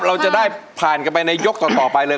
เราจะได้ผ่านกันไปในยกต่อไปเลย